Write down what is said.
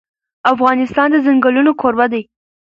افغانستان د ځنګلونه کوربه دی.